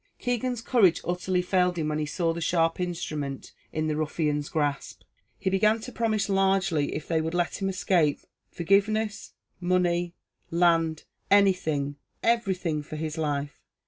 Keegan's courage utterly failed him when he saw the sharp instrument in the ruffian's grasp; he began to promise largely if they would let him escape forgiveness money land anything everything for his life.